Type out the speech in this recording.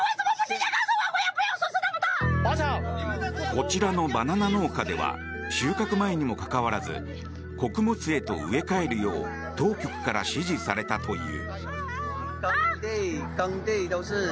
こちらのバナナ農家では収穫前にもかかわらず穀物へと植え替えるよう当局から指示されたという。